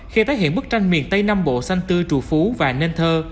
khi tái hiện bức tranh miền tây nam bộ xanh tư trù phú và nên thơ